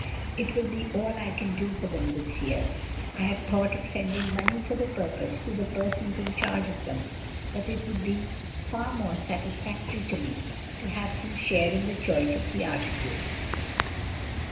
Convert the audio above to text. It will be all I can do for them this year. I had thought of sending money for the purpose, to the persons in charge of them, but it would be far more satisfactory to me to have some share in the choice of the articles."